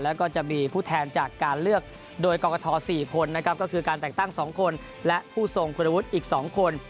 แล้วก็จะมีผู้แทนจากการเลือกโดยกรกฐ๔คนนะครับก็คือการแต่งตั้ง๒คนและผู้ทรงคุณวุฒิอีก๒คน